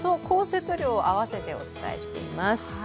降雪量を合わせてお伝えしています。